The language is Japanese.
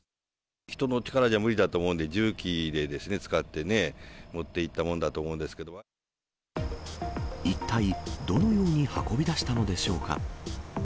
人の力じゃ無理だと思うんで、重機でですね、使ってね、持って一体どのように運び出したのでしょうか。